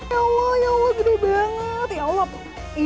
ya allah ya allah gede banget